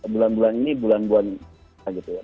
bulan bulan ini bulan bulan gitu ya